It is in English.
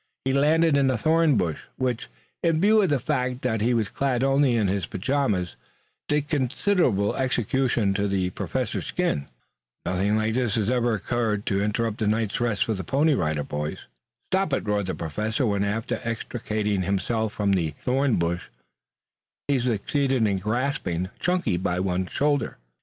He landed in a thorn bush, which, in view of the fact that he was clad only in his pajamas, did considerable execution to the Professor's skin. Nothing like this had ever occurred to interrupt a night's rest for the Pony Rider Boys. "Stop it!" roared the Professor, when, after extricating himself from the thorn bush, he succeeded in grasping Chunky by one shoulder.